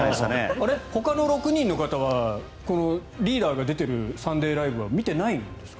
あれ、ほかの６人の方はリーダーが出ている「サンデーＬＩＶＥ！！」は見てないんですか？